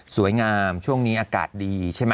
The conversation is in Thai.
สวยงามช่วงนี้อากาศดีใช่ไหม